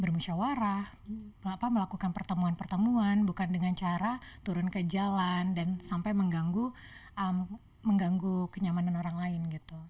bermusyawarah melakukan pertemuan pertemuan bukan dengan cara turun ke jalan dan sampai mengganggu kenyamanan orang lain gitu